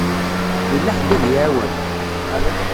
Yella ḥedd ad y-iεawen?